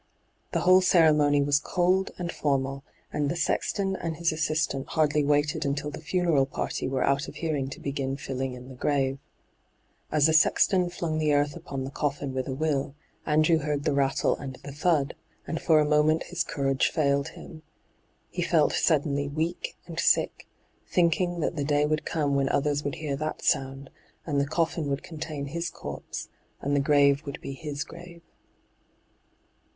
The whole ceremony was cold and formal, and the sexton and his assistant hardly waited until the funeral party were out of hearing to begin fiUing in the grave. As the sexton flung the earth upon the coffin with a will, Andrew heard the rattle and the thud, and for a moment his courage &iled him. He felt suddenly weak and sick, thinking that the day would come when others would hear that sound, and the coffin would contain his corpse, and the grave would be his grave.